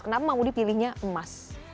kenapa mau dipilihnya emas